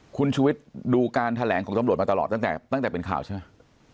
คุณชุวิตดูการแถลงของตำรวจมาตลอดตั้งแต่เป็นข่าวใช่ไหม